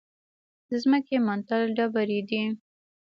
د ځمکې منتل ډبرې دي.